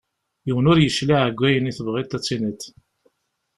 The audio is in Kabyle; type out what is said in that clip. Yiwen ur yecliɛ deg wayen i tebɣiḍ ad d-tiniḍ.